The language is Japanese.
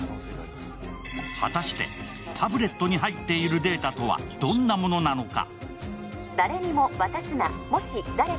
果たして、タブレットに入っているデータとはどんなものなのか？